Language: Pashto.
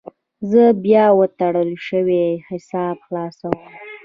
زه بیا وتړل شوی حساب خلاصوم.